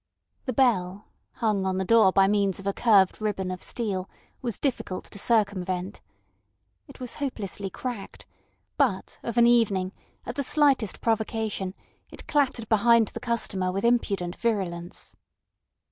The bell, hung on the door by means of a curved ribbon of steel, was difficult to circumvent. It was hopelessly cracked; but of an evening, at the slightest provocation, it clattered behind the customer with impudent virulence.